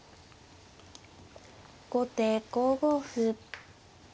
後手５五歩。